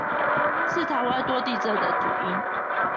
是台灣多地震的主因